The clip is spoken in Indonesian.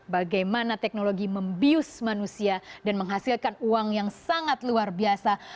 bagaimana teknologi membius manusia dan menghasilkan uang yang sangat luar biasa